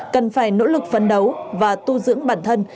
cần phải nỗ lực phấn đấu và tu dưỡng bản thân